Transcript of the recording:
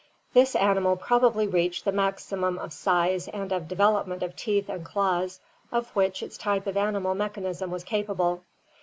"This animal probably reached the maximum of size and of develop ment of teeth and claws of which its type of animal mechanism was capable.